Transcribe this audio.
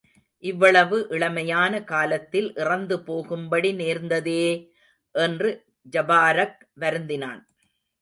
இவ்வளவு இளமையான காலத்தில் இறந்துபோகும்படி நேர்ந்ததே! என்று ஜபாரக் வருந்தினான்.